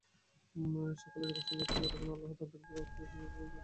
সকলে যখন সমবেত হল তখন আল্লাহ তাদের উপর অগ্নিস্ফুলিঙ্গ ও জ্বলন্ত অঙ্গার নিক্ষেপ করেন।